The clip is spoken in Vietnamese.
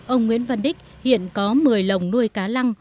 ông nguyễn văn đích hiện có một mươi lồng nuôi cá lăng